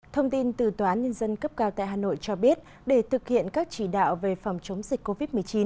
thông tin từ tòa án nhân dân cấp cao tại hà nội cho biết để thực hiện các chỉ đạo về phòng chống dịch covid một mươi chín